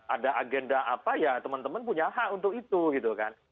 ada agenda apa ya teman teman punya hak untuk itu gitu kan